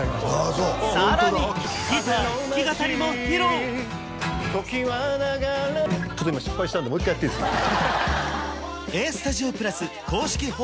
ホントださらにギター弾き語りも披露時は流れるちょっと今失敗したんでもう一回やっていいですか？